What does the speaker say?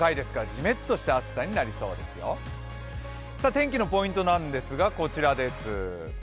天気のポイントなんですがこちらです。